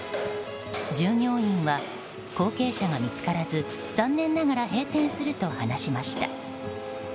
従業員は、後継者が見つからず残念ながら閉店すると話しました。